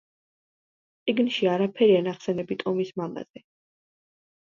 წიგნში არაფერია ნახსენები ტომის მამაზე.